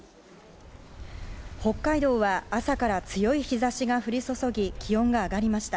北海道は朝から強い日差しが降り注ぎ気温が上がりました。